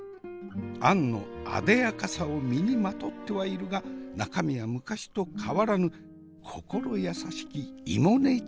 あんのあでやかさを身にまとってはいるが中身は昔と変わらぬ心優しき芋ねえちゃんですから。